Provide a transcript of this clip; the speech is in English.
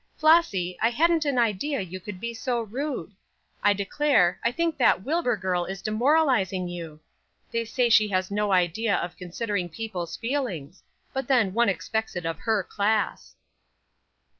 Flossy, I hadn't an idea you could be so rude. I declare, I think that Wilbur girl is demoralizing you. They say she has no idea of considering people's feelings; but then, one expects it of her class."